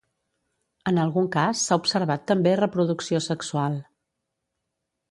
En algun cas s'ha observat també reproducció sexual.